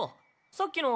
さっきの。